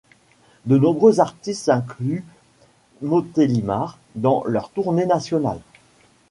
De nombreux artistes incluent Montélimar dans leur tournée nationale.